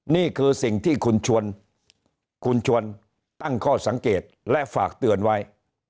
นี่คือสิ่งที่คุณชวนคุณชวนตั้งข้อสังเกตและฝากเตือนไว้